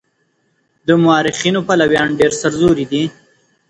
د مورخينو پلويان ډېر سرزوري دي.